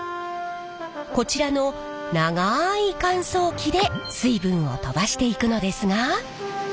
こちらの長い乾燥機で水分を飛ばしていくのですが。